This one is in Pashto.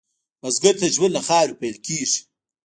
بزګر ته ژوند له خاورې پیل کېږي